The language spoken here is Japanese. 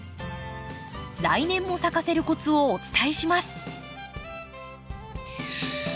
来年も咲かせるコツをお伝えします。